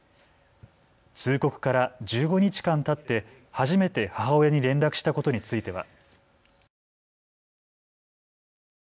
通告から１５日間たって初めて母親に連絡したことについては。